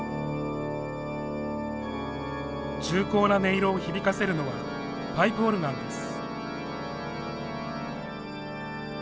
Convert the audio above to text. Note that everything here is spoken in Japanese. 重厚な音色を響かせるのはパイプオルガンです。